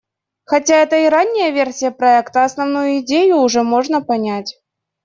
Хотя это и ранняя версия проекта, основную идею уже можно понять.